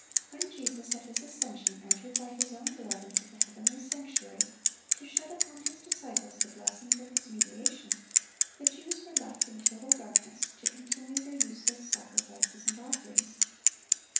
When Jesus at His ascension entered by His own blood into the heavenly sanctuary to shed upon His disciples the blessings of His mediation, the Jews were left in total darkness, to continue their useless sacrifices and offerings.